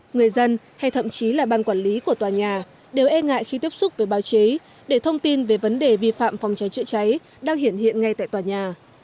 người dân hay thậm chí là ban quản lý của tòa nhà đều e ngại khi tiếp xúc với báo chí để thông tin về vấn đề vi phạm phòng cháy chữa cháy đang hiện hiện ngay tại tòa nhà